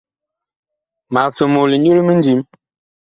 Mag somoo linyu limindim.